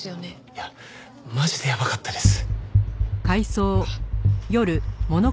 いやマジでやばかったです。